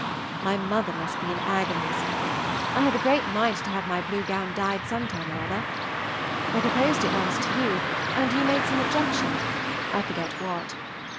My mother must be in agonies. I have a great mind to have my blue gown dyed some time or other. I proposed it once to you, and you made some objection, I forget what.